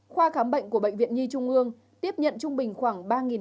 khoa khám bệnh của bệnh viện nhi trung ương tiếp nhận trung bình khoảng ba năm trăm linh